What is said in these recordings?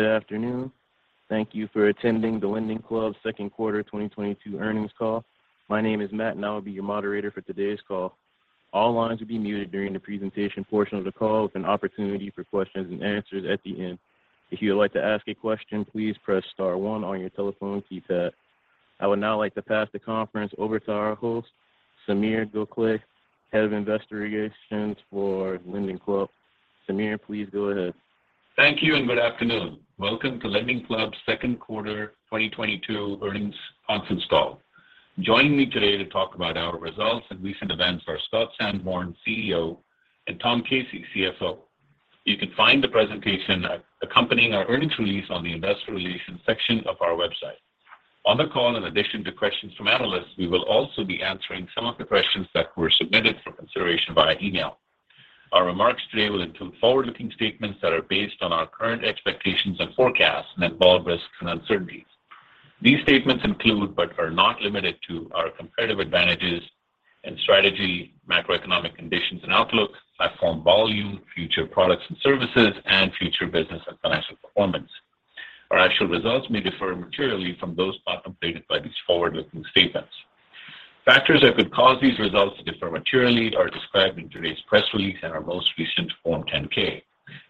Good afternoon. Thank you for attending the LendingClub Q2 2022 earnings call. My name is Matt, and I will be your moderator for today's call. All lines will be muted during the presentation portion of the call with an opportunity for questions and answers at the end. If you would like to ask a question, please press star one on your telephone key pad. I would now like to pass the conference over to our host, Sameer Gokhale, Head of Investor Relations, for LendingClub. Sameer, please go ahead. Thank you and good afternoon. Welcome to LendingClub's Q2 2022 earnings conference call. Joining me today to talk about our results and recent events are Scott Sanborn, CEO, and Thomas Casey, CFO. You can find the presentation accompanying our earnings release on the investor relations section of our website. On the call, in addition to questions from analysts, we will also be answering some of the questions that were submitted for consideration via email. Our remarks today will include forward-looking statements that are based on our current expectations and forecasts and involve risks and uncertainties. These statements include, but are not limited to, our competitive advantages and strategy, macroeconomic conditions and outlook, platform volume, future products and services, and future business and financial performance. Our actual results may differ materially from those contemplated by these forward-looking statements. Factors that could cause these results to differ materially are described in today's press release and our most recent Form 10-K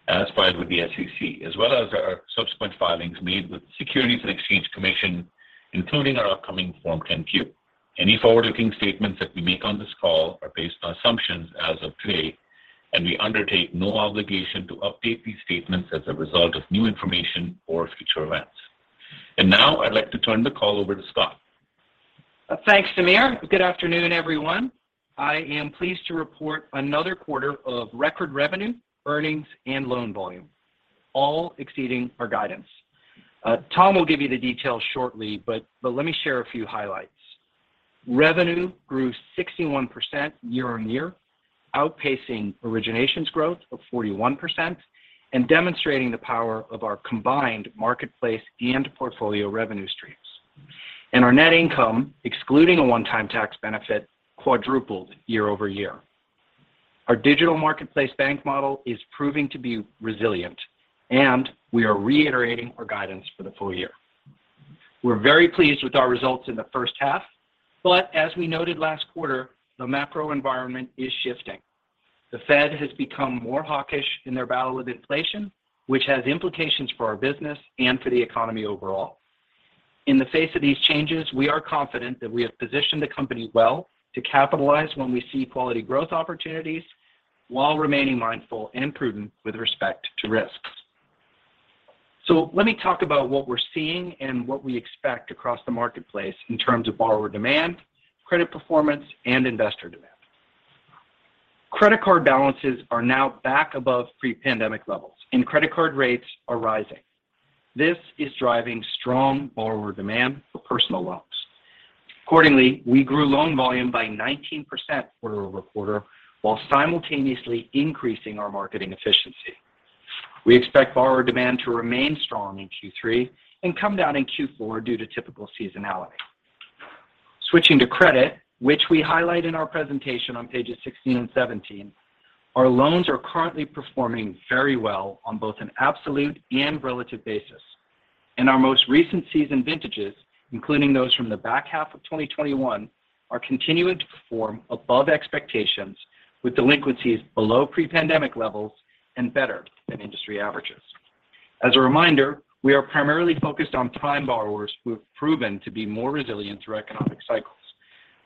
as filed with the SEC, as well as our subsequent filings made with the Securities and Exchange Commission, including our upcoming Form 10-Q. Any forward-looking statements that we make on this call are based on assumptions as of today, and we undertake no obligation to update these statements as a result of new information or future events. Now I'd like to turn the call over to Scott. Thanks, Sameer. Good afternoon, everyone. I am pleased to report another quarter of record revenue, earnings, and loan volume, all exceeding our guidance. Tom will give you the details shortly, but let me share a few highlights. Revenue grew 61% year-on-year, outpacing originations growth of 41% and demonstrating the power of our combined marketplace and portfolio revenue streams. Our net income, excluding a one-time tax benefit, quadrupled year-over-year. Our digital marketplace bank model is proving to be resilient, and we are reiterating our guidance for the full year. We're very pleased with our results in the first half, but as we noted last quarter, the macro environment is shifting. The Fed has become more hawkish in their battle with inflation, which has implications for our business and for the economy overall. In the face of these changes, we are confident that we have positioned the company well to capitalize when we see quality growth opportunities while remaining mindful and prudent with respect to risks. Let me talk about what we're seeing and what we expect across the marketplace in terms of borrower demand, credit performance, and investor demand. Credit card balances are now back above pre-pandemic levels, and credit card rates are rising. This is driving strong borrower demand for personal loans. Accordingly, we grew loan volume by 19% quarter-over-quarter while simultaneously increasing our marketing efficiency. We expect borrower demand to remain strong in Q3 and come down in Q4 due to typical seasonality. Switching to credit, which we highlight in our presentation on pages 16 and 17, our loans are currently performing very well on both an absolute and relative basis. In our most recent seasonal vintages, including those from the back half of 2021, are continuing to perform above expectations with delinquencies below pre-pandemic levels and better than industry averages. As a reminder, we are primarily focused on prime borrowers who have proven to be more resilient through economic cycles.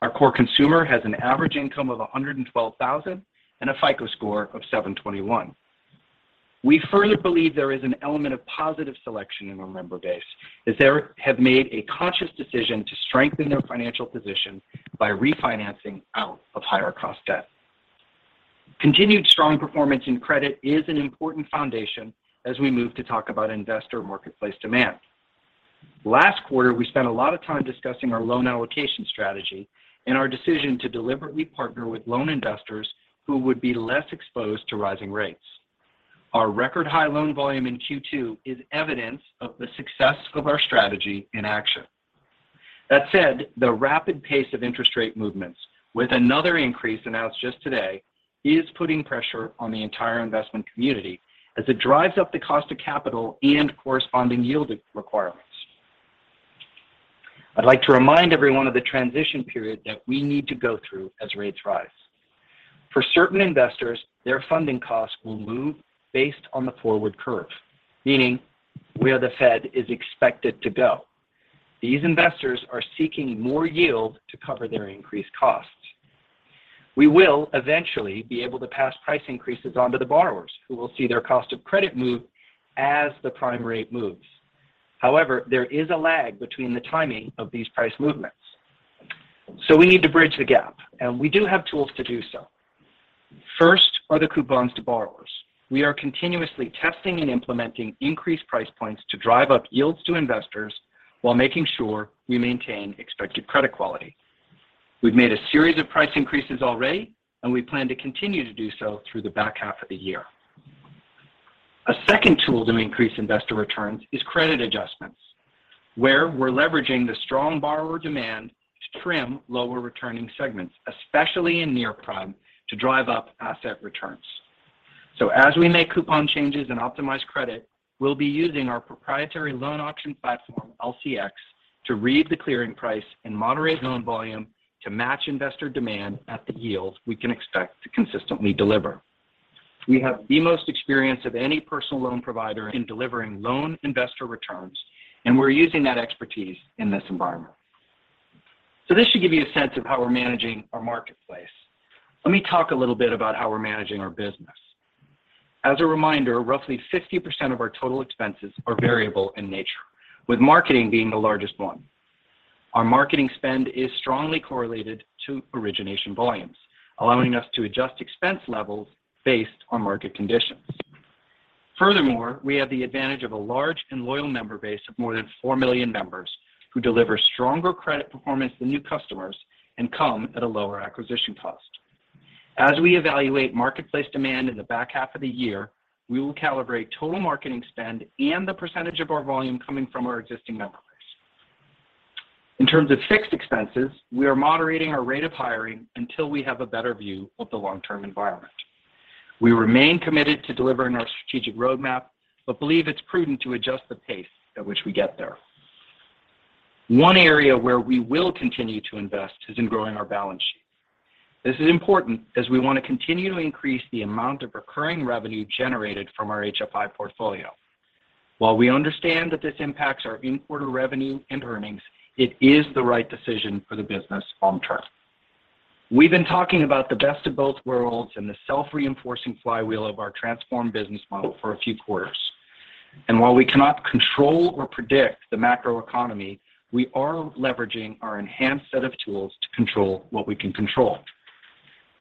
Our core consumer has an average income of $112,000 and a FICO score of 721. We further believe there is an element of positive selection in our member base as they have made a conscious decision to strengthen their financial position by refinancing out of higher cost debt. Continued strong performance in credit is an important foundation as we move to talk about investor marketplace demand. Last quarter, we spent a lot of time discussing our loan allocation strategy and our decision to deliberately partner with loan investors who would be less exposed to rising rates. Our record high loan volume in Q2 is evidence of the success of our strategy in action. That said, the rapid pace of interest rate movements with another increase announced just today is putting pressure on the entire investment community as it drives up the cost of capital and corresponding yield requirements. I'd like to remind everyone of the transition period that we need to go through as rates rise. For certain investors, their funding costs will move based on the forward curve, meaning where the Fed is expected to go. These investors are seeking more yield to cover their increased costs. We will eventually be able to pass price increases on to the borrowers, who will see their cost of credit move as the prime rate moves. However, there is a lag between the timing of these price movements. We need to bridge the gap, and we do have tools to do so. First are the coupons to borrowers. We are continuously testing and implementing increased price points to drive up yields to investors while making sure we maintain expected credit quality. We've made a series of price increases already, and we plan to continue to do so through the back half of the year. A second tool to increase investor returns is credit adjustments. Where we're leveraging the strong borrower demand to trim lower returning segments, especially in near-prime to drive up asset returns. As we make coupon changes and optimize credit, we'll be using our proprietary loan auction platform, LCX, to read the clearing price and moderate loan volume to match investor demand at the yield we can expect to consistently deliver. We have the most experience of any personal loan provider in delivering loan investor returns, and we're using that expertise in this environment. This should give you a sense of how we're managing our marketplace. Let me talk a little bit about how we're managing our business. As a reminder, roughly 50% of our total expenses are variable in nature, with marketing being the largest one. Our marketing spend is strongly correlated to origination volumes, allowing us to adjust expense levels based on market conditions. Furthermore, we have the advantage of a large and loyal member base of more than four million members who deliver stronger credit performance than new customers and come at a lower acquisition cost. As we evaluate marketplace demand in the back half of the year, we will calibrate total marketing spend and the percentage of our volume coming from our existing member base. In terms of fixed expenses, we are moderating our rate of hiring until we have a better view of the long-term environment. We remain committed to delivering our strategic roadmap, but believe it's prudent to adjust the pace at which we get there. One area where we will continue to invest is in growing our balance sheet. This is important as we want to continue to increase the amount of recurring revenue generated from our HFI portfolio. While we understand that this impacts our imported revenue and earnings, it is the right decision for the business long term. We've been talking about the best of both worlds and the self-reinforcing flywheel of our transformed business model for a few quarters. While we cannot control or predict the macro economy, we are leveraging our enhanced set of tools to control what we can control.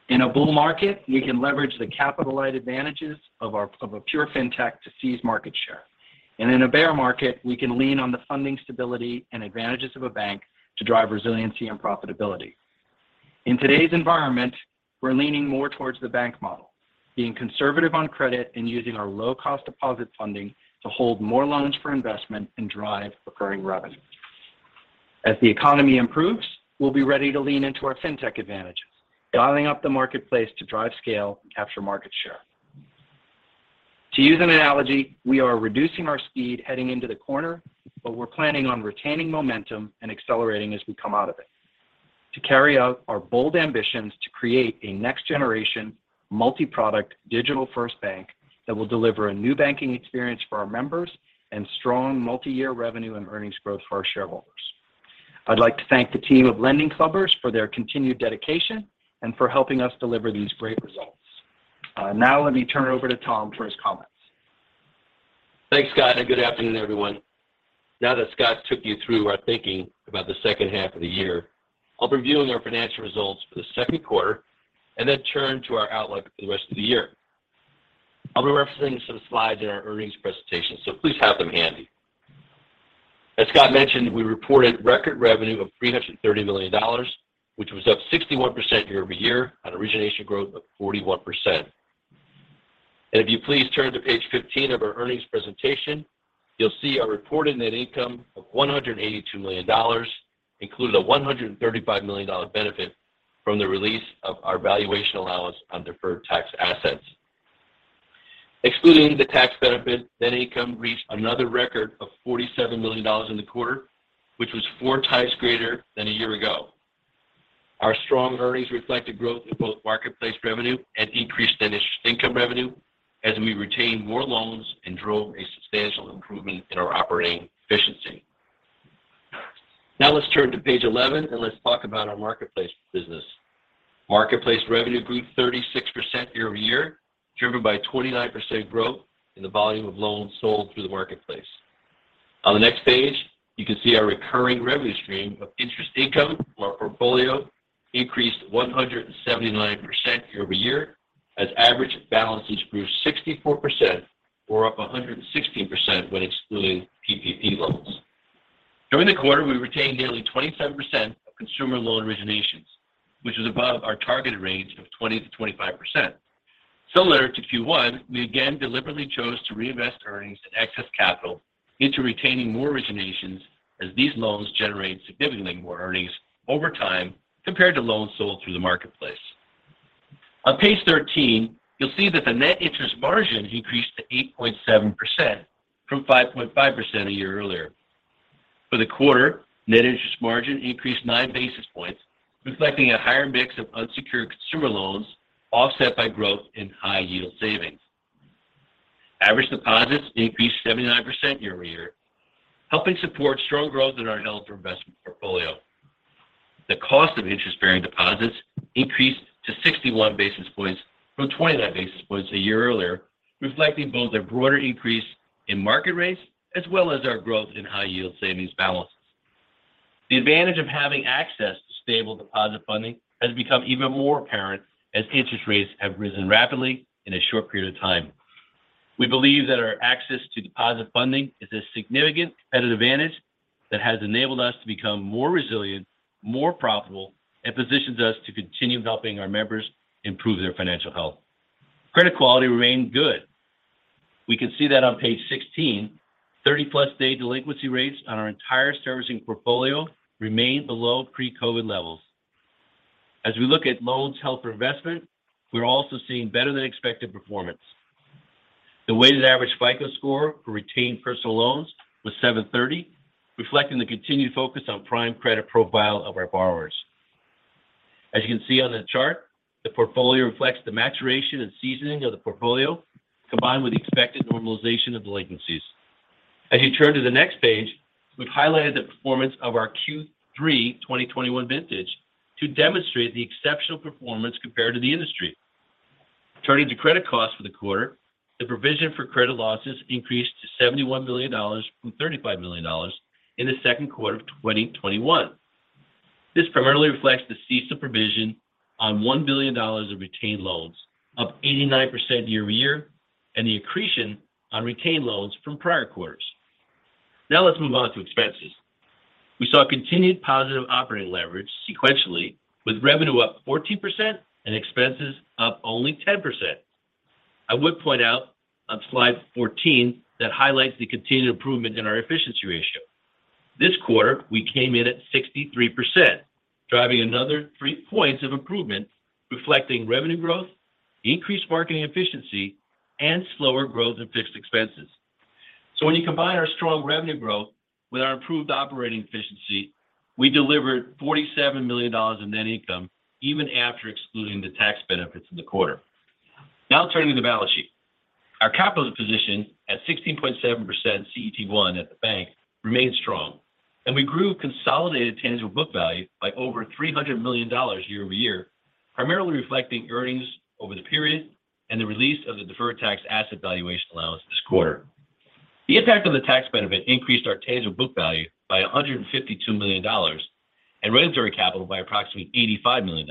In a bull market, we can leverage the capital-light advantages of a pure fintech to seize market share. In a bear market, we can lean on the funding stability and advantages of a bank to drive resiliency and profitability. In today's environment, we're leaning more towards the bank model, being conservative on credit and using our low-cost deposit funding to hold more loans for investment and drive recurring revenue. As the economy improves, we'll be ready to lean into our fintech advantage, dialing up the marketplace to drive scale and capture market share. To use an analogy, we are reducing our speed heading into the corner, but we're planning on retaining momentum and accelerating as we come out of it to carry out our bold ambitions to create a next-generation, multi-product, digital-first bank that will deliver a new banking experience for our members and strong multi-year revenue and earnings growth for our shareholders. I'd like to thank the team of LendingClubbers for their continued dedication and for helping us deliver these great results. Now let me turn it over to Tom for his comments. Thanks, Scott, and good afternoon, everyone. Now that Scott has taken you through our thinking about the second half of the year, I'll be reviewing our financial results for the Q2 and then turn to our outlook for the rest of the year. I'll be referencing some slides in our earnings presentation, so please have them handy. As Scott mentioned, we reported record revenue of $330 million, which was up 61% year-over-year on origination growth of 41%. If you please turn to page 15 of our earnings presentation, you'll see our reported net income of $182 million included a $135 million benefit from the release of our valuation allowance on Deferred Tax Assets. Excluding the tax benefit, net income reached another record of $47 million in the quarter, which was 4x greater than a year ago. Our strong earnings reflected growth in both marketplace revenue and increased net interest income revenue as we retained more loans and drove a substantial improvement in our operating efficiency. Now let's turn to page 11, and let's talk about our marketplace business. Marketplace revenue grew 36% year-on-year, driven by 29% growth in the volume of loans sold through the marketplace. On the next page, you can see our recurring revenue stream of interest income from our portfolio increased 179% year-over-year as average balances grew 64% or up 160% when excluding PPP loans. During the quarter, we retained nearly 27% of consumer loan originations, which was above our targeted range of 20%-25%. Similar to Q1, we again deliberately chose to reinvest earnings and excess capital into retaining more originations as these loans generate significantly more earnings over time compared to loans sold through the marketplace. On page 13, you'll see that the net interest margin increased to 8.7% from 5.5% a year earlier. For the quarter, net interest margin increased nine basis points, reflecting a higher mix of unsecured consumer loans offset by growth in High-Yield Savings. Average deposits increased 79% year-on-year, helping support strong growth in our held for investment portfolio. The cost of interest-bearing deposits increased to 61 basis points from 29 basis points a year earlier, reflecting both a broader increase in market rates as well as our growth in high-yield savings balances. The advantage of having access to stable deposit funding has become even more apparent as interest rates have risen rapidly in a short period of time. We believe that our access to deposit funding is a significant competitive advantage that has enabled us to become more resilient, more profitable, and positions us to continue helping our members improve their financial health. Credit quality remained good. We can see that on page 16, 30 plus day delinquency rates on our entire servicing portfolio remained below pre-COVID levels. As we look at loans held for investment, we're also seeing better than expected performance. The weighted average FICO score for retained personal loans was 730, reflecting the continued focus on prime credit profile of our borrowers. As you can see on the chart, the portfolio reflects the maturation and seasoning of the portfolio, combined with the expected normalization of delinquencies. As you turn to the next page, we've highlighted the performance of our Q3 2021 vintage to demonstrate the exceptional performance compared to the industry. Turning to credit costs for the quarter, the provision for credit losses increased to $71 million from $35 million in the Q2 of 2021. This primarily reflects the cease of provision on $1 billion of retained loans, up 89% year-over-year, and the accretion on retained loans from prior quarters. Now let's move on to expenses. We saw continued positive operating leverage sequentially with revenue up 14% and expenses up only 10%. I would point out on slide 14 that highlights the continued improvement in our efficiency ratio. This quarter, we came in at 63%, driving another three points of improvement, reflecting revenue growth, increased marketing efficiency, and slower growth in fixed expenses. When you combine our strong revenue growth with our improved operating efficiency, we delivered $47 million in net income even after excluding the tax benefits in the quarter. Now turning to the balance sheet. Our capital position at 16.7% CET1 at the bank remained strong, and we grew consolidated tangible book value by over $300 million year-over-year, primarily reflecting earnings over the period and the release of the deferred tax asset valuation allowance this quarter. The impact of the tax benefit increased our tangible book value by $152 million and regulatory capital by approximately $85 million.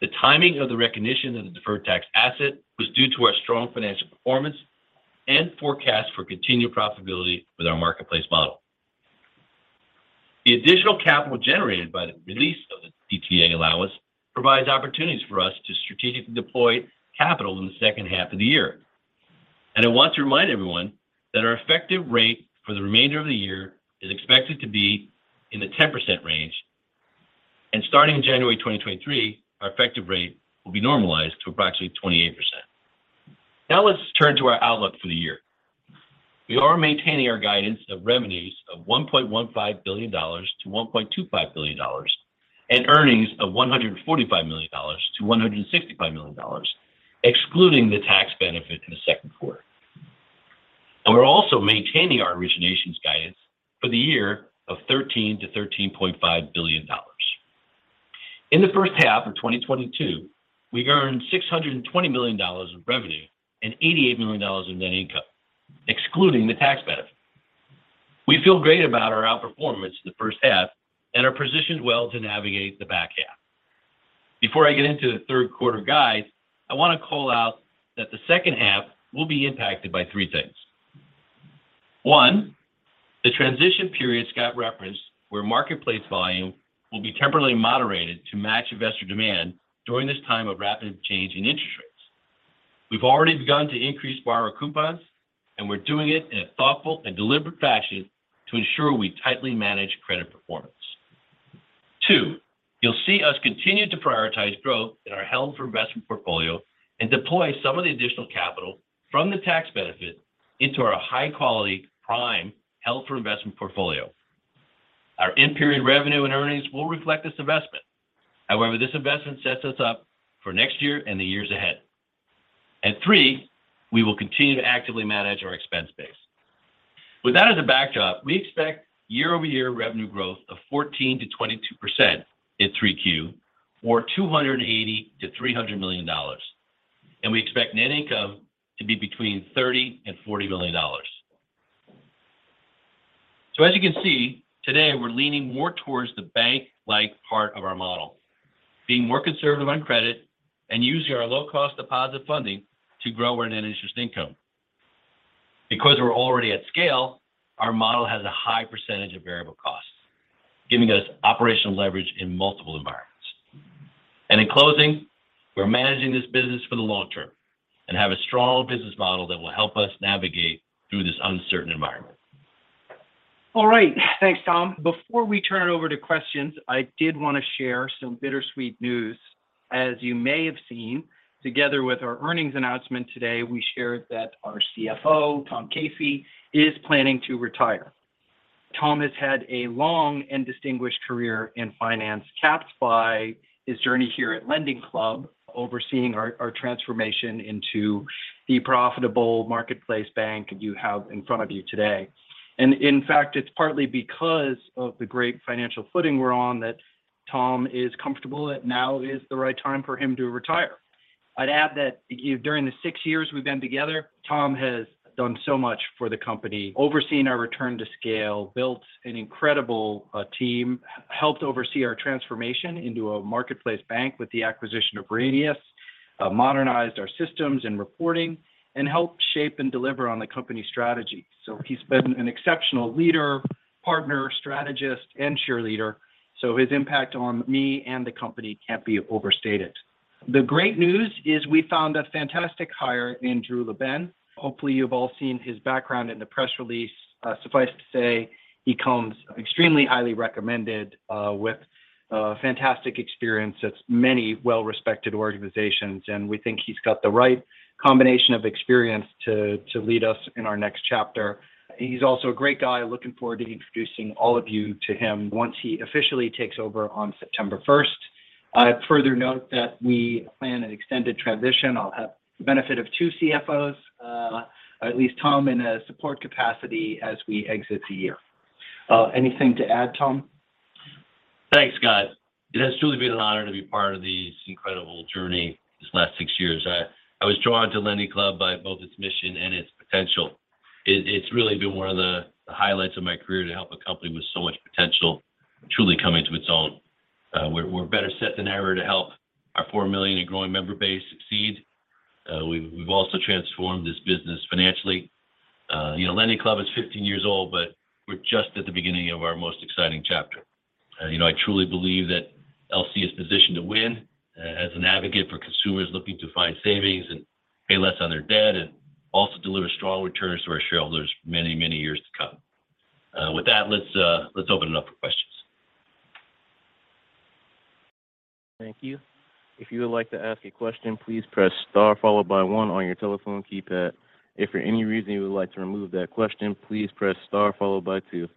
The timing of the recognition of the deferred tax asset was due to our strong financial performance and forecast for continued profitability with our marketplace model. The additional capital generated by the release of the DTA allowance provides opportunities for us to strategically deploy capital in the second half of the year. I want to remind everyone that our effective rate for the remainder of the year is expected to be in the 10% range. Starting in January 2023, our effective rate will be normalized to approximately 28%. Now let's turn to our outlook for the year. We are maintaining our guidance of revenues of $1.15 billion-$1.25 billion and earnings of $145 million-$165 million, excluding the tax benefit in the Q2. We're also maintaining our originations guidance for the year of $13 billion-$13.5 billion. In the first half of 2022, we earned $620 million of revenue and $88 million of net income, excluding the tax benefit. We feel great about our outperformance in the first half and are positioned well to navigate the back half. Before I get into the Q3 guide, I want to call out that the second half will be impacted by three things. One, the transition period Scott referenced where marketplace volume will be temporarily moderated to match investor demand during this time of rapid change in interest rates. We've already begun to increase borrower coupons, and we're doing it in a thoughtful and deliberate fashion to ensure we tightly manage credit performance. Two, you'll see us continue to prioritize growth in our held for investment portfolio and deploy some of the additional capital from the tax benefit into our high-quality prime held for investment portfolio. Our in-period revenue and earnings will reflect this investment. However, this investment sets us up for next year and the years ahead. Three, we will continue to actively manage our expense base. With that as a backdrop, we expect year-over-year revenue growth of 14%-22% in 3Q or $280 million-$300 million. We expect net income to be between $30 million and $40 million. As you can see, today we're leaning more towards the bank-like part of our model, being more conservative on credit and using our low-cost deposit funding to grow our net interest income. Because we're already at scale, our model has a high percentage of variable costs, giving us operational leverage in multiple environments. In closing, we're managing this business for the long term and have a strong business model that will help us navigate through this uncertain environment. All right. Thanks, Tom. Before we turn it over to questions, I did want to share some bittersweet news. As you may have seen, together with our earnings announcement today, we shared that our CFO, Tom Casey, is planning to retire. Tom has had a long and distinguished career in finance, capped by his journey here at LendingClub, overseeing our transformation into the profitable marketplace bank you have in front of you today. In fact, it's partly because of the great financial footing we're on that Tom is comfortable that now is the right time for him to retire. I'd add that, you know, during the six years we've been together, Tom has done so much for the company, overseeing our return to scale, built an incredible team, helped oversee our transformation into a marketplace bank with the acquisition of Radius, modernized our systems and reporting, and helped shape and deliver on the company strategy. He's been an exceptional leader, partner, strategist, and cheerleader, so his impact on me and the company can't be overstated. The great news is we found a fantastic hire in Drew LaBenne. Hopefully, you've all seen his background in the press release. Suffice to say, he comes extremely highly recommended, with fantastic experience at many well-respected organizations. We think he's got the right combination of experience to lead us in our next chapter. He's also a great guy. Looking forward to introducing all of you to him once he officially takes over on September first. I further note that we plan an extended transition. I'll have the benefit of two CFOs, at least Tom in a support capacity as we exit the year. Anything to add, Tom? Thanks, guys. It has truly been an honor to be part of this incredible journey this last six years. I was drawn to LendingClub by both its mission and its potential. It's really been one of the highlights of my career to help a company with so much potential truly come into its own. We're better set than ever to help our four million and growing member base succeed. We've also transformed this business financially. You know, LendingClub is 15 years old, but we're just at the beginning of our most exciting chapter. You know, I truly believe that LC is positioned to win as an advocate for consumers looking to find savings and pay less on their debt and also deliver strong returns to our shareholders many, many years to come. With that, let's open it up for questions. Thank you. If you would like to ask a question, please press star followed by one on your telephone keypad. If for any reason you would like to remove that question, please press star followed by two.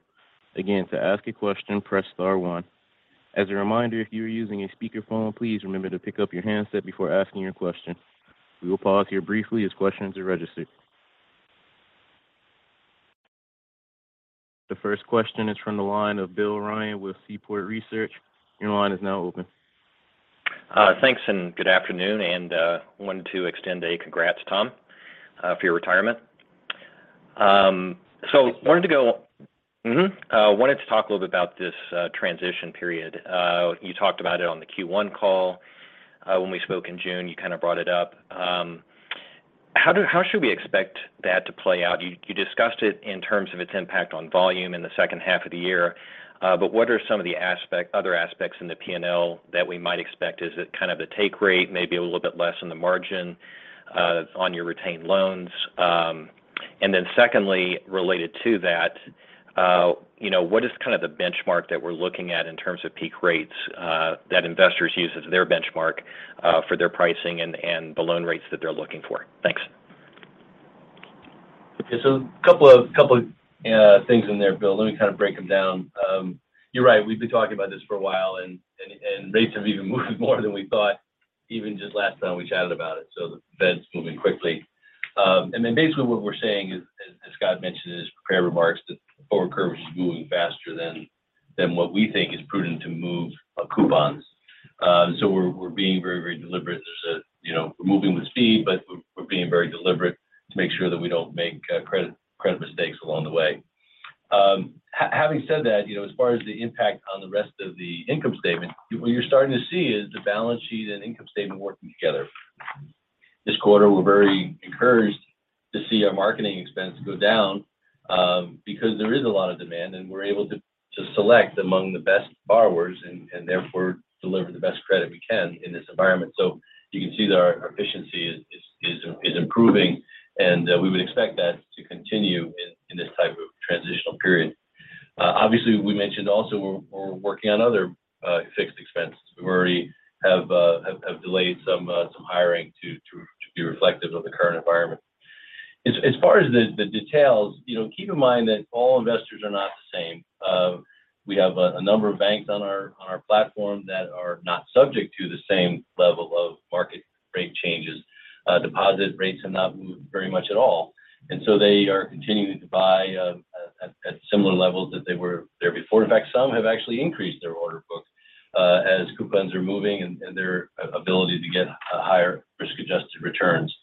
Again, to ask a question, press star one. As a reminder, if you are using a speakerphone, please remember to pick up your handset before asking your question. We will pause here briefly as questions are registered. The first question is from the line of Bill Ryan with Seaport Research. Your line is now open. Thanks, and good afternoon. Wanted to extend a congrats, Tom, for your retirement. Wanted to go- Thank you. Wanted to talk a little bit about this transition period. You talked about it on the Q1 call. When we spoke in June, you kinda brought it up. How should we expect that to play out? You discussed it in terms of its impact on volume in the second half of the year. What are some of the aspects, other aspects in the P&L that we might expect? Is it kind of a take rate, maybe a little bit less in the margin on your retained loans? Secondly, related to that, you know, what is kind of the benchmark that we're looking at in terms of peak rates that investors use as their benchmark for their pricing and the loan rates that they're looking for? Thanks. Okay. A couple of things in there, Bill. Let me kind of break them down. You're right. We've been talking about this for a while, and rates have even moved more than we thought even just last time we chatted about it. The Fed's moving quickly. Basically what we're saying is, as Scott mentioned in his prepared remarks, the forward curve is moving faster than what we think is prudent to move coupons. We're being very deliberate. You know, we're moving with speed, but we're being very deliberate to make sure that we don't make credit mistakes along the way. Having said that, you know, as far as the impact on the rest of the income statement, what you're starting to see is the balance sheet and income statement working together. This quarter, we're very encouraged to see our marketing expense go down, because there is a lot of demand, and we're able to select among the best borrowers and therefore deliver the best credit we can in this environment. You can see that our efficiency is improving, and we would expect that to continue in this type of transitional period. Obviously, we mentioned also we're working on other fixed expenses. We already have delayed some hiring to be reflective of the current environment. As far as the details, you know, keep in mind that all investors are not the same. We have a number of banks on our platform that are not subject to the same level of market rate changes. Deposit rates have not moved very much at all, and so they are continuing to buy at similar levels that they were there before. In fact, some have actually increased their order book as coupons are moving and their ability to get higher risk-adjusted returns.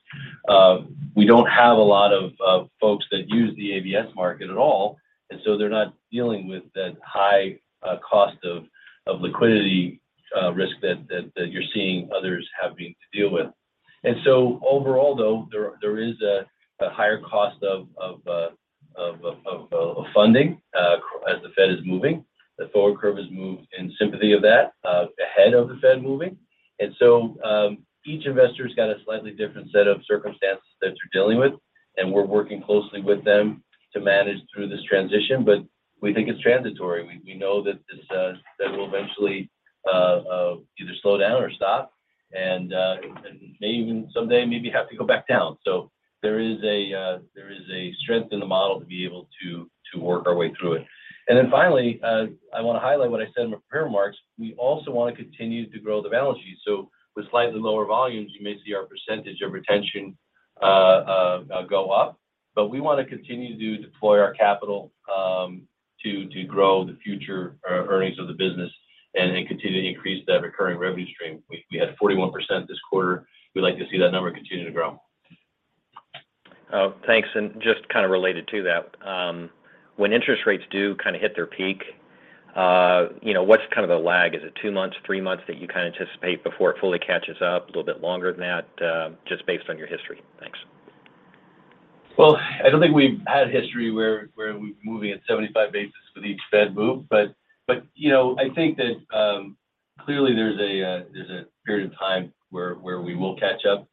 We don't have a lot of folks that use the ABS market at all, and so they're not dealing with that high cost of liquidity risk that you're seeing others having to deal with. Overall, though, there is a higher cost of funding as the Fed is moving. The forward curve has moved in sympathy of that, ahead of the Fed moving. Each investor's got a slightly different set of circumstances that they're dealing with, and we're working closely with them to manage through this transition, but we think it's transitory. We know that this Fed will eventually either slow down or stop and may even someday maybe have to go back down. There is a strength in the model to be able to work our way through it. Finally, I wanna highlight what I said in my prepared remarks. We also wanna continue to grow the balance sheet. With slightly lower volumes, you may see our percentage of retention go up. We wanna continue to deploy our capital to grow the future earnings of the business and then continue to increase that recurring revenue stream. We had 41% this quarter. We'd like to see that number continue to grow. Thanks, just kind of related to that, when interest rates do kind of hit their peak, you know, what's kind of the lag? Is it two months, three months that you kind of anticipate before it fully catches up? A little bit longer than that, just based on your history. Well, I don't think we've had history where we're moving at 75 basis points for each Fed move. You know, I think that clearly there's a period of time where we will catch up.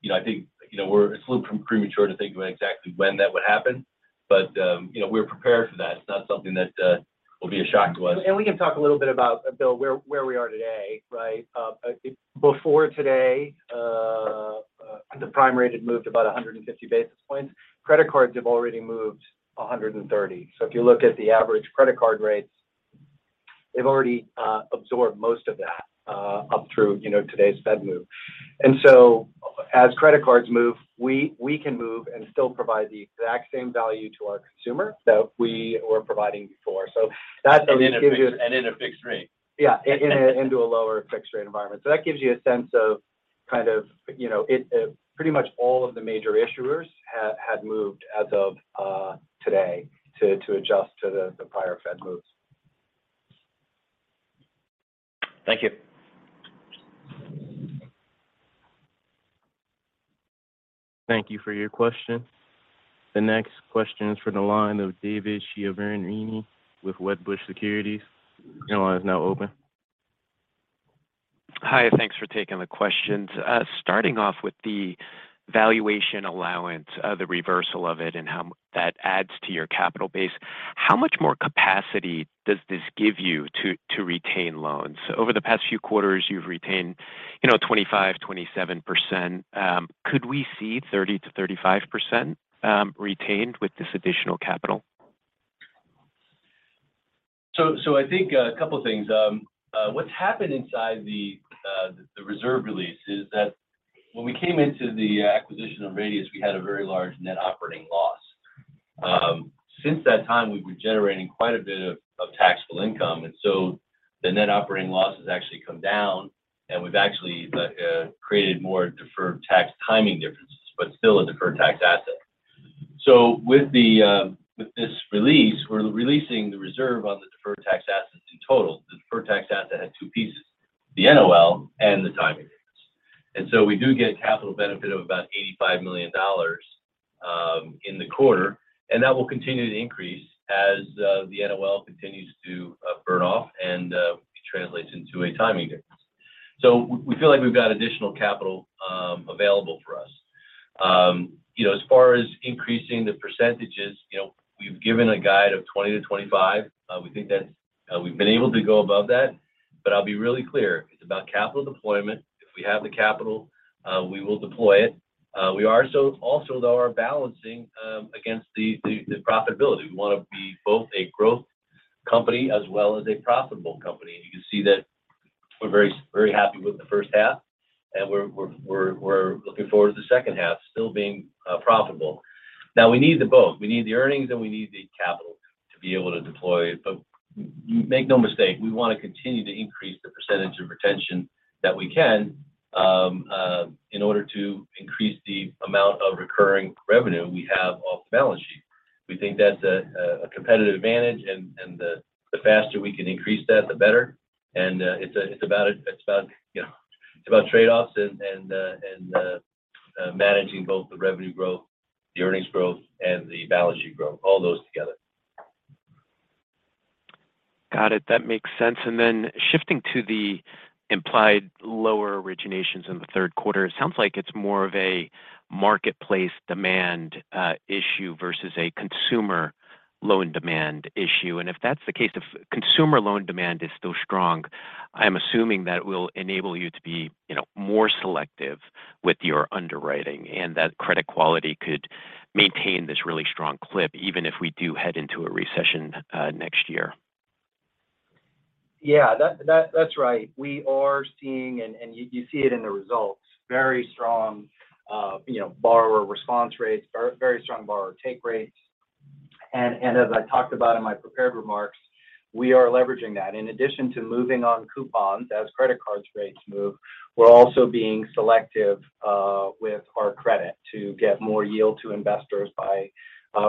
You know, I think, you know, it's a little premature to think about exactly when that would happen, but you know, we're prepared for that. It's not something that will be a shock to us. We can talk a little bit about, Bill, where we are today, right? Before today, the prime rate had moved about 150 basis points. Credit cards have already moved 130. If you look at the average credit card rates, they've already absorbed most of that up through, you know, today's Fed move. As credit cards move, we can move and still provide the exact same value to our consumer that we were providing before. That then gives you In a fixed rate. Yeah. Into a lower fixed-rate environment. That gives you a sense of kind of, you know, it pretty much all of the major issuers had moved as of today to adjust to the prior Fed moves. Thank you. Thank you for your question. The next question is from the line of David Chiaverini with Wedbush Securities. Your line is now open. Hi, thanks for taking the questions. Starting off with the valuation allowance, the reversal of it and how that adds to your capital base. How much more capacity does this give you to retain loans? Over the past few quarters, you've retained, you know, 25%, 27%. Could we see 30%-35% retained with this additional capital? I think a couple of things. What's happened inside the reserve release is that when we came into the acquisition of Radius, we had a very large net operating loss. Since that time, we've been generating quite a bit of taxable income, and the net operating loss has actually come down, and we've actually created more deferred tax timing differences, but still a deferred tax asset. With this release, we're releasing the reserve on the Deferred Tax Assets in total. The deferred tax asset had two pieces, the NOL and the timing difference. We do get a capital benefit of about $85 million in the quarter, and that will continue to increase as the NOL continues to burn off and translates into a timing difference. We feel like we've got additional capital available for us. You know, as far as increasing the percentages, you know, we've given a guide of 20%-25%. We think that we've been able to go above that. I'll be really clear, it's about capital deployment. If we have the capital, we will deploy it. We are also, though, balancing against the profitability. We want to be both a growth company as well as a profitable company. You can see that we're very, very happy with the first half, and we're looking forward to the second half still being profitable. Now we need both. We need the earnings, and we need the capital to be able to deploy. Make no mistake, we want to continue to increase the percentage of retention that we can in order to increase the amount of recurring revenue we have off the balance sheet. We think that's a competitive advantage. The faster we can increase that, the better. It's about, you know, trade-offs and managing both the revenue growth, the earnings growth, and the balance sheet growth, all those together. Got it. That makes sense. Then shifting to the implied lower originations in the Q3. It sounds like it's more of a marketplace demand issue versus a consumer loan demand issue. If that's the case, if consumer loan demand is still strong, I'm assuming that will enable you to be, you know, more selective with your underwriting and that credit quality could maintain this really strong clip even if we do head into a recession next year. Yeah, that's right. We are seeing, and you see it in the results, very strong, you know, borrower response rates, very strong borrower take rates. As I talked about in my prepared remarks, we are leveraging that. In addition to moving on coupons as credit card rates move, we're also being selective with our credit to get more yield to investors by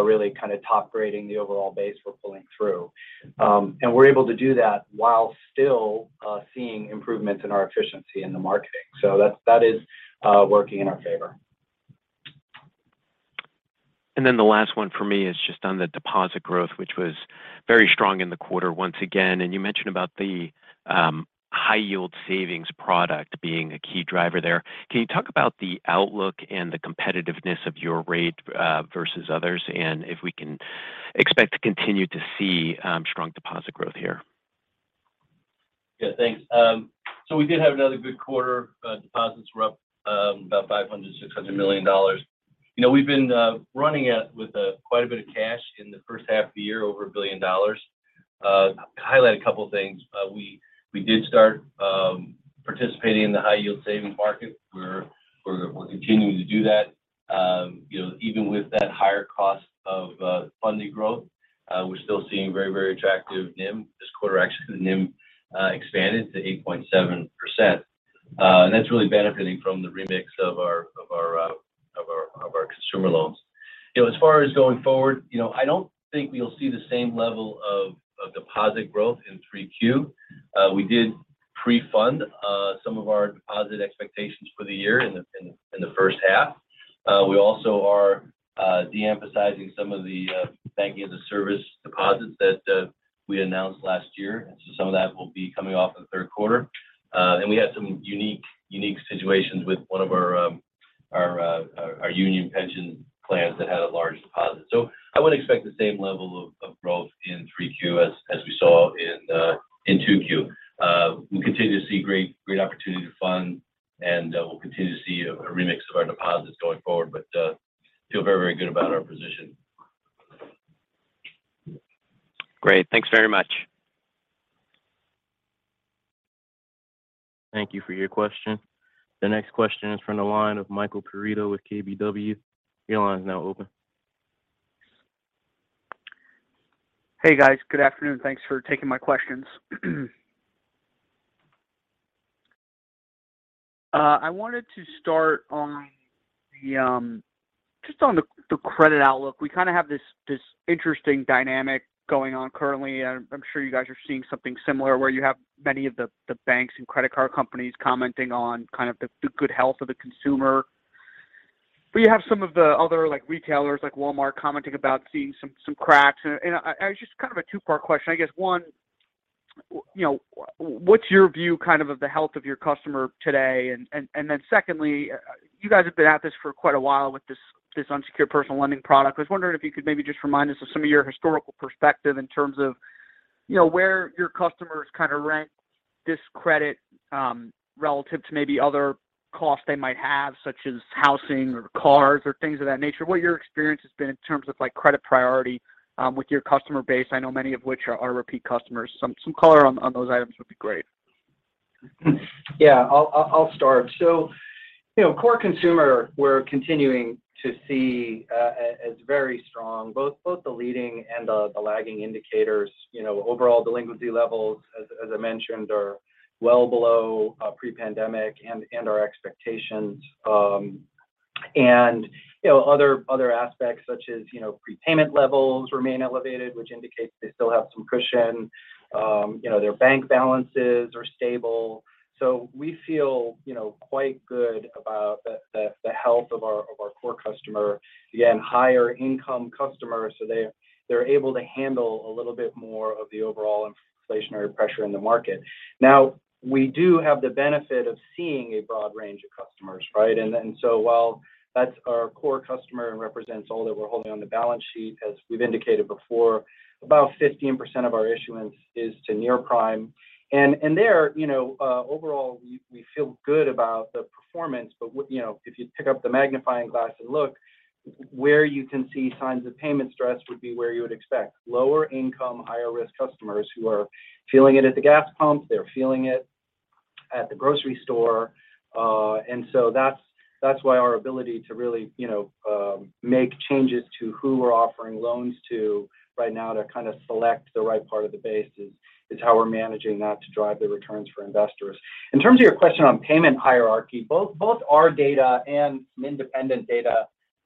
really kind of top grading the overall base we're pulling through. We're able to do that while still seeing improvements in our efficiency in the marketing. That is working in our favor. Then the last one for me is just on the deposit growth, which was very strong in the quarter once again. You mentioned about the High-Yield Savings product being a key driver there. Can you talk about the outlook and the competitiveness of your rate versus others? If we can expect to continue to see strong deposit growth here. Yeah, thanks. So we did have another good quarter. Deposits were up about $500 million-$600 million. You know, we've been running with quite a bit of cash in the first half of the year, over $1 billion. To highlight a couple of things, we did start participating in the high-yield savings market. We're continuing to do that. You know, even with that higher cost of funding growth, we're still seeing very, very attractive NIM. This quarter actually, the NIM expanded to 8.7%. And that's really benefiting from the remix of our consumer loans. You know, as far as going forward, you know, I don't think we'll see the same level of deposit growth in 3Q. We did. Pre-fund some of our deposit expectations for the year in the first half. We also are de-emphasizing some of the Banking-as-a-Service deposits that we announced last year. Some of that will be coming off in the Q3. We had some unique situations with one of our union pension plans that had a large deposit. I wouldn't expect the same level of growth in 3Q as we saw in 2Q. We continue to see great opportunity to fund and we'll continue to see a remix of our deposits going forward but feel very good about our position. Great. Thanks very much. Thank you for your question. The next question is from the line of Michael Perito with KBW. Your line is now open. Hey, guys. Good afternoon. Thanks for taking my questions. I wanted to start on the credit outlook. We kind of have this interesting dynamic going on currently, and I'm sure you guys are seeing something similar where you have many of the banks and credit card companies commenting on kind of the good health of the consumer. But you have some of the other, like, retailers like Walmart commenting about seeing some cracks. I just kind of a two-part question. I guess one, you know, what's your view kind of the health of your customer today? Then secondly, you guys have been at this for quite a while with this unsecured personal lending product. I was wondering if you could maybe just remind us of some of your historical perspective in terms of, you know, where your customers kind of rank this credit, relative to maybe other costs they might have, such as housing or cars or things of that nature. What your experience has been in terms of, like, credit priority, with your customer base. I know many of which are repeat customers. Some color on those items would be great. Yeah. I'll start. You know, core consumer, we're continuing to see as very strong both the leading and the lagging indicators. You know, overall delinquency levels, as I mentioned, are well below pre-pandemic and our expectations. You know, other aspects such as prepayment levels remain elevated, which indicates they still have some cushion. You know, their bank balances are stable. So we feel you know quite good about the health of our core customer. Again, higher income customers so they're able to handle a little bit more of the overall inflationary pressure in the market. Now, we do have the benefit of seeing a broad range of customers, right? While that's our core customer and represents all that we're holding on the balance sheet, as we've indicated before, about 15% of our issuance is to near prime. There you know overall we feel good about the performance. You know, if you pick up the magnifying glass and look, where you can see signs of payment stress would be where you would expect. Lower income, higher risk customers who are feeling it at the gas pump, they're feeling it at the grocery store. That's why our ability to really, you know, make changes to who we're offering loans to right now to kind of select the right part of the base is how we're managing that to drive the returns for investors.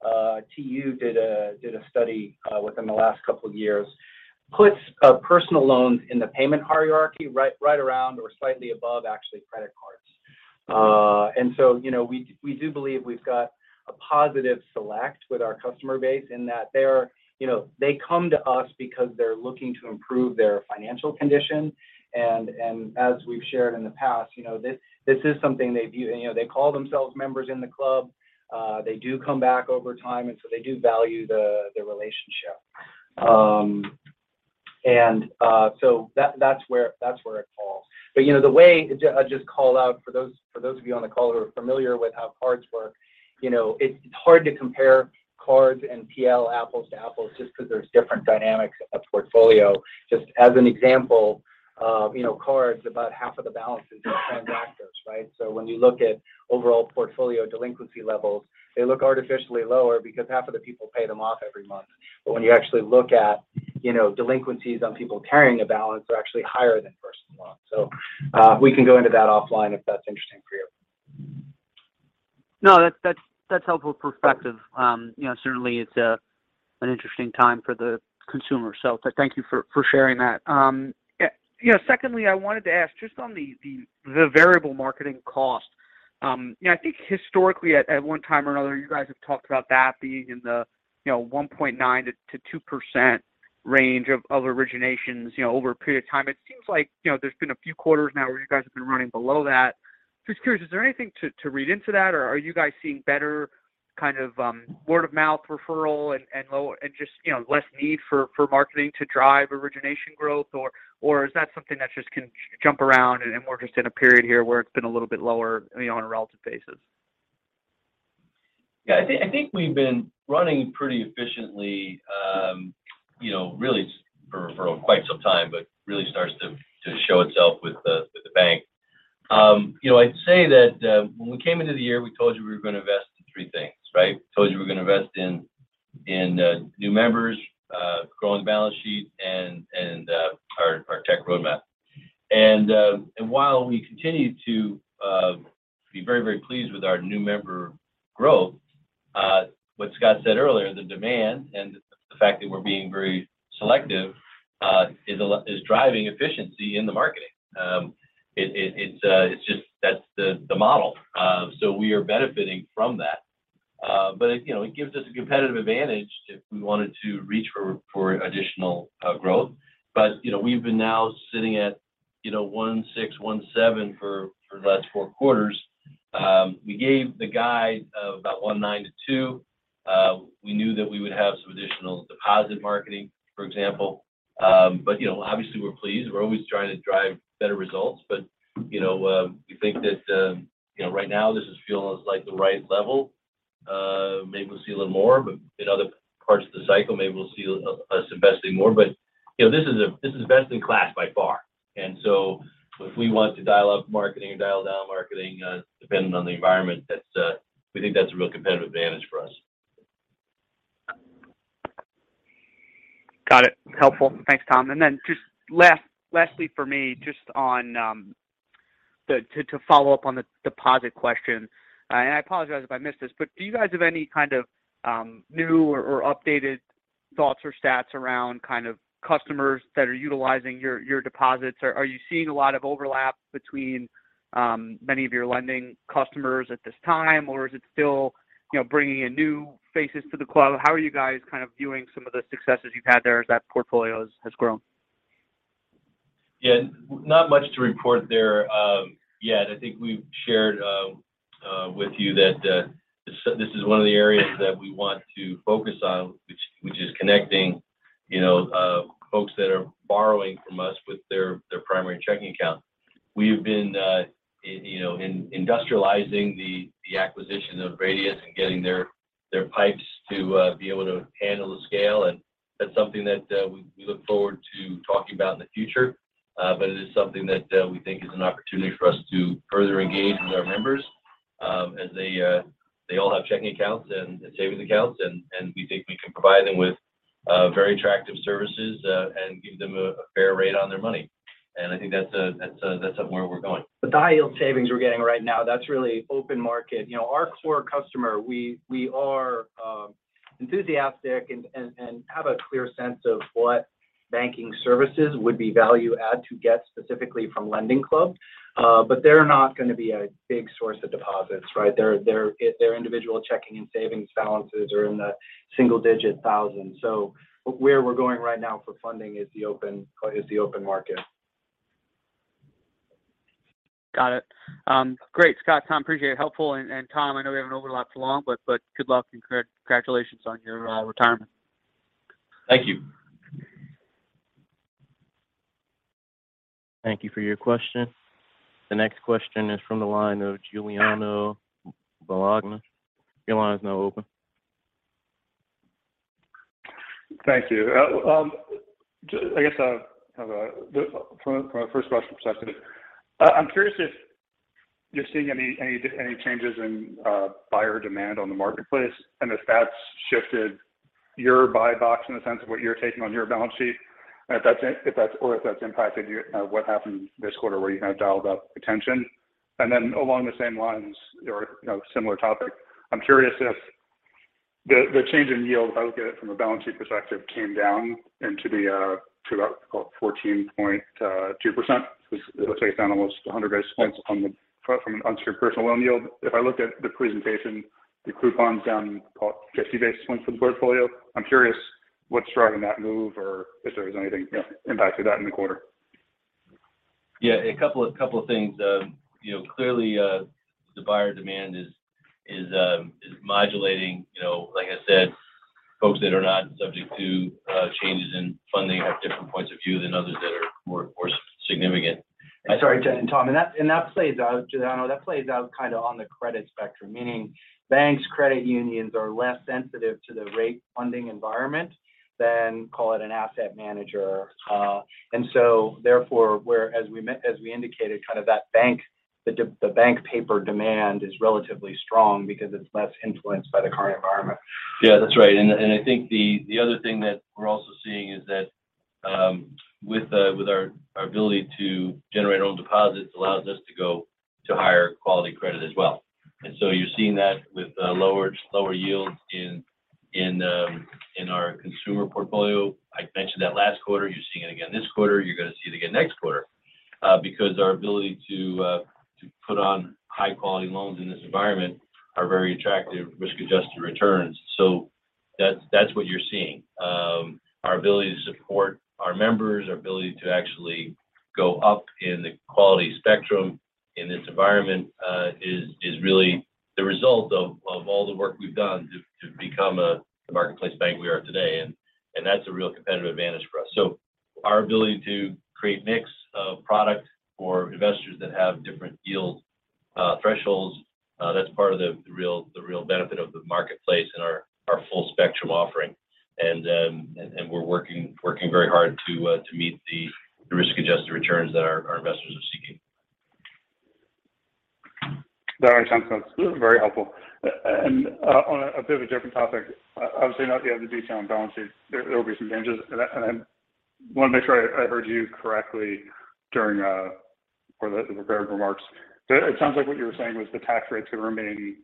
In terms of your question on payment hierarchy, both our data and some independent data, TransUnion did a study within the last couple of years, puts personal loans in the payment hierarchy right around or slightly above actually credit cards. You know, we do believe we've got a positive select with our customer base in that they're, you know, they come to us because they're looking to improve their financial condition. As we've shared in the past, you know, this is something they view. You know, they call themselves members in the club. They do come back over time, and so they do value the relationship. That's where it falls. You know, the way I just called out for those of you on the call who are familiar with how cards work, you know, it's hard to compare cards and PL apples to apples just 'cause there's different dynamics of portfolio. Just as an example of, you know, cards about half of the balances are transactors, right? When you look at overall portfolio delinquency levels, they look artificially lower because half of the people pay them off every month. When you actually look at, you know, delinquencies on people carrying a balance are actually higher than Personal Loans. We can go into that offline if that's interesting for you. No, that's helpful perspective. You know, certainly it's an interesting time for the consumer. Thank you for sharing that. You know, secondly, I wanted to ask just on the variable marketing cost. You know, I think historically at one time or another, you guys have talked about that being in the, you know, 1.9%-2% range of originations, you know, over a period of time. It seems like, you know, there's been a few quarters now where you guys have been running below that. Just curious, is there anything to read into that, or are you guys seeing better kind of word-of-mouth referral and just, you know, less need for marketing to drive origination growth? Is that something that just can jump around, and we're just in a period here where it's been a little bit lower, you know, on a relative basis? Yeah. I think we've been running pretty efficiently, you know, really for quite some time, but really starts to show itself with the bank. You know, I'd say that when we came into the year, we told you we were gonna invest in three things, right? Told you we're gonna invest in new members, growing the balance sheet and our tech roadmap. While we continue to be very, very pleased with our new member growth- What Scott said earlier, the demand and the fact that we're being very selective is driving efficiency in the marketing. It's just that's the model. So we are benefiting from that. You know, it gives us a competitive advantage if we wanted to reach for additional growth. You know, we've been now sitting at 1/6, 1/7 for the last Q4. We gave the guide of about 192. We knew that we would have some additional deposit marketing, for example. You know, obviously we're pleased. We're always trying to drive better results. You know, we think that right now this is feeling like the right level. Maybe we'll see a little more, but in other parts of the cycle, maybe we'll see us investing more. You know, this is best in class by far. If we want to dial up marketing or dial down marketing, depending on the environment, that's, we think that's a real competitive advantage for us. Got it. Helpful. Thanks, Tom. Then just lastly for me, just on to follow up on the deposit question. I apologize if I missed this, but do you guys have any kind of new or updated thoughts or stats around kind of customers that are utilizing your deposits? Or are you seeing a lot of overlap between many of your lending customers at this time? Or is it still, you know, bringing in new faces to the club? How are you guys kind of viewing some of the successes you've had there as that portfolio has grown? Yeah. Not much to report there yet. I think we've shared with you that this is one of the areas that we want to focus on, which is connecting, you know, folks that are borrowing from us with their primary checking account. We've been, you know, industrializing the acquisition of Radius and getting their pipes to be able to handle the scale. That's something that we look forward to talking about in the future. It is something that we think is an opportunity for us to further engage with our members, as they all have checking accounts and savings accounts. We think we can provide them with very attractive services and give them a fair rate on their money. I think that's somewhere we're going. The High-Yield Savings we're getting right now, that's really open market. You know, our core customer, we are enthusiastic and have a clear sense of what banking services would be value add to get specifically from LendingClub. They're not gonna be a big source of deposits, right? Their individual checking and savings balances are in the single-digit thousands. Where we're going right now for funding is the open market. Got it. Great. Scott, Tom, appreciate it. Helpful. Tom, I know we haven't overlapped long, but good luck and congratulations on your retirement. Thank you. Thank you for your question. The next question is from the line of Giuliano Bologna. Your line is now open. Thank you. I guess I have from a first question perspective, I'm curious if you're seeing any changes in buyer demand on the marketplace and if that's shifted your buy box in the sense of what you're taking on your balance sheet, and if that's or if that's impacted your what happened this quarter where you kind of dialed up retention. Then along the same lines or, you know, similar topic, I'm curious if the change in yield, if I look at it from a balance sheet perspective, came down to about 14.2%. 'Cause it'll take it down almost 100 basis points from an unsecured personal loan yield. If I look at the presentation, the coupon's down about 50 basis points for the portfolio. I'm curious what's driving that move or if there was anything, you know, impacted that in the quarter. Yeah. A couple of things. You know, clearly, the buyer demand is modulating. You know, like I said, folks that are not subject to changes in funding have different points of view than others that are more significant. Sorry, Tom. That plays out, Giuliano, that plays out kind of on the credit spectrum. Meaning banks, credit unions are less sensitive to the rate funding environment than, call it, an asset manager. Whereas, as we indicated, kind of that bank, the bank paper demand is relatively strong because it's less influenced by the current environment. Yeah, that's right. I think the other thing that we're also seeing is that with our ability to generate our own deposits allows us to go to higher quality credit as well. You're seeing that with lower yields in our consumer portfolio. I mentioned that last quarter. You're seeing it again this quarter. You're gonna see it again next quarter. Because our ability to put on high-quality loans in this environment are very attractive risk-adjusted returns. That's what you're seeing. Our ability to support our members, our ability to actually go up in the quality spectrum in this environment is really the result of all the work we've done to become the marketplace bank we are today. That's a real competitive advantage for us. Our ability to create mix of product for investors that have different yield thresholds, that's part of the real benefit of the marketplace and our full spectrum offering. We're working very hard to meet the risk-adjusted returns that our investors are seeking. That makes sense. That's very helpful. On a bit of a different topic. Obviously, not to get into detail on balance sheet, there will be some changes. I want to make sure I heard you correctly during or the prepared remarks. It sounds like what you were saying was the tax rate could remain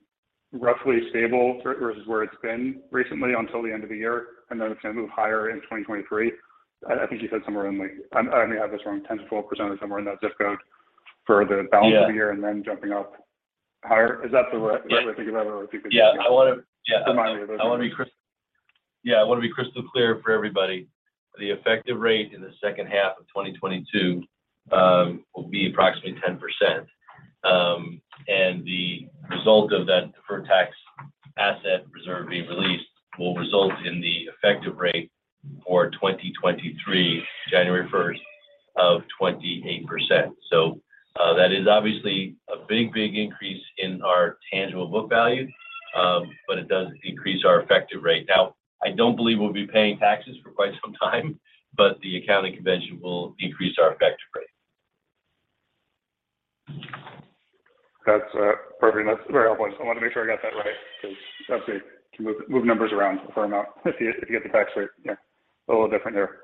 roughly stable for versus where it's been recently until the end of the year, and then it's gonna move higher in 2023. I think you said somewhere in like 10%-12% or somewhere in that zip code for the balance- Yeah of the year and then jumping up higher. Is that the right way to think about it or think- Yeah. I wanna- Yeah. Remind me. I want to be crystal clear for everybody. The effective rate in the second half of 2022 will be approximately 10%. The result of that deferred tax asset reserve being released will result in the effective rate for 2023, January first of 28%. That is obviously a big increase in our tangible book value, but it does increase our effective rate. Now, I don't believe we'll be paying taxes for quite some time, but the accounting convention will increase our effective rate. That's perfect. That's very helpful. Just wanted to make sure I got that right 'cause obviously you can move numbers around a fair amount if you get the tax rate, you know, a little different there.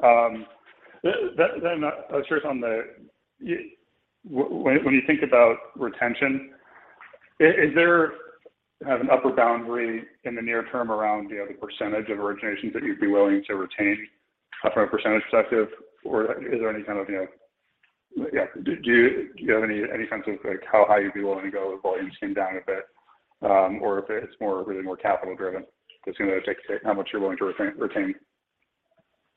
Then, sure. On the. When you think about retention, is there an upper boundary in the near term around, you know, the percentage of originations that you'd be willing to retain from a percentage perspective? Or is there any kind of, you know. Yeah. Do you have any sense of, like, how high you'd be willing to go if volumes came down a bit? Or if it's more really more capital driven, just, you know, takes how much you're willing to retain.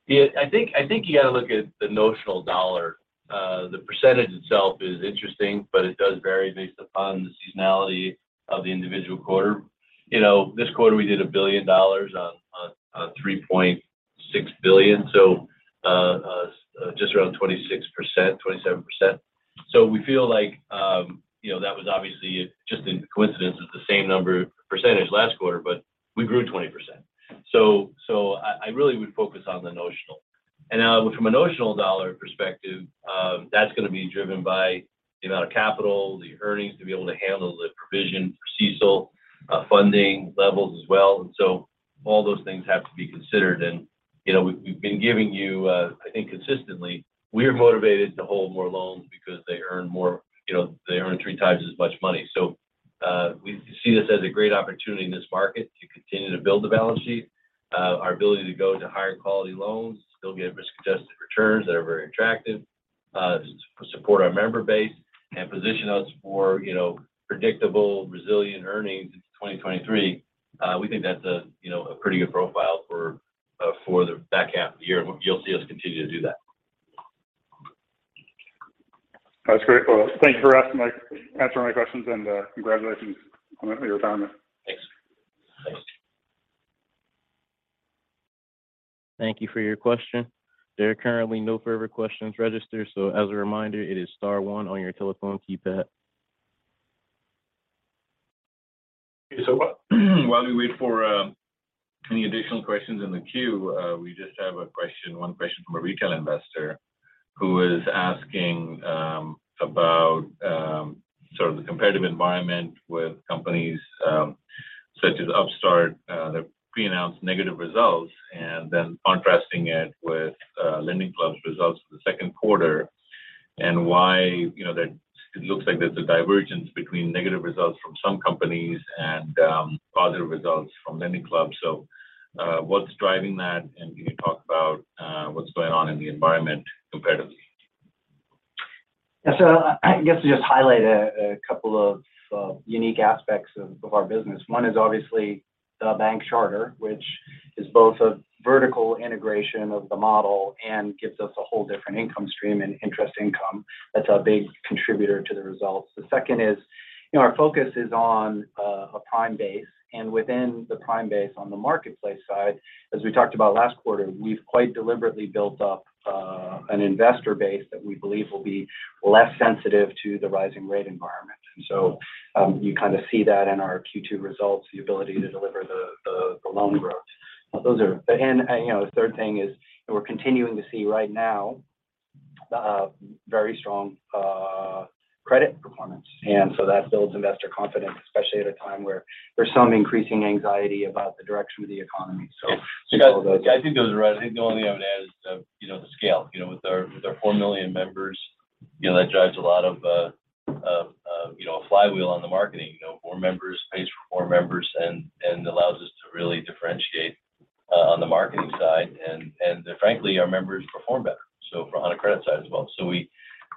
Yeah. I think you gotta look at the notional dollar. The percentage itself is interesting, but it does vary based upon the seasonality of the individual quarter. You know, this quarter we did $1 billion on $3.6 billion, so just around 26%-27%. We feel like, you know, that was obviously just a coincidence. It's the same percentage last quarter, but we grew 20%. I really would focus on the notional. Now from a notional dollar perspective, that's gonna be driven by the amount of capital, the earnings to be able to handle the provision for CECL, funding levels as well. All those things have to be considered. You know, we've been giving you, I think consistently we are motivated to hold more loans because they earn more. You know, they earn three times as much money. We see this as a great opportunity in this market to continue to build the balance sheet. Our ability to go to higher quality loans, still get risk-adjusted returns that are very attractive, support our member base and position us for, you know, predictable, resilient earnings into 2023. We think that's a, you know, a pretty good profile for the back half of the year, and you'll see us continue to do that. That's great. Well, thank you for answering my questions and, congratulations on your announcement. Thanks. Thank you for your question. There are currently no further questions registered, so as a reminder, it is star one on your telephone keypad. While we wait for any additional questions in the queue, we just have a question, one question from a retail investor who is asking about sort of the competitive environment with companies such as Upstart, their pre-announced negative results, and then contrasting it with LendingClub's results for the Q2 and why, you know, it looks like there's a divergence between negative results from some companies and positive results from LendingClub. What's driving that? And can you talk about what's going on in the environment competitively? Yeah. I guess to just highlight a couple of unique aspects of our business. One is obviously the bank charter, which is both a vertical integration of the model and gives us a whole different income stream and interest income. That's a big contributor to the results. The second is our focus is on a prime base and within the prime base on the marketplace side, as we talked about last quarter, we've quite deliberately built up an investor base that we believe will be less sensitive to the rising rate environment. You kind of see that in our Q2 results, the ability to deliver the loan growth. Those are. The third thing is we're continuing to see right now very strong credit performance. That builds investor confidence, especially at a time where there's some increasing anxiety about the direction of the economy. Yeah. I think those are right. I think the only other to add is, you know, the scale. You know, with our four million members, you know, that drives a lot of, you know, flywheel on the marketing. You know, more members pays for more members and allows us to really differentiate, on the marketing side. Frankly, our members perform better, so on a credit side as well.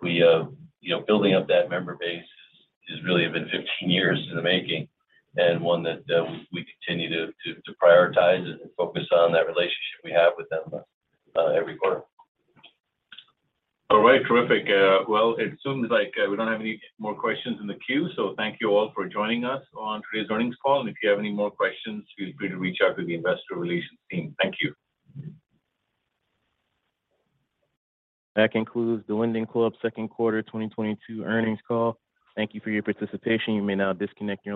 We, you know, building up that member base is really been 15 years in the making and one that, we continue to prioritize and focus on that relationship we have with them, every quarter. All right. Terrific. Well, it seems like we don't have any more questions in the queue. Thank you all for joining us on today's earnings call. If you have any more questions, feel free to reach out to the investor relations team. Thank you. That concludes the LendingClub Q2 2022 earnings call. Thank you for your participation. You may now disconnect your-